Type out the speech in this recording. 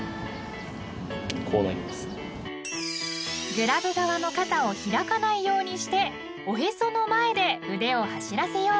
［グラブ側の肩を開かないようにしておへその前で腕を走らせよう］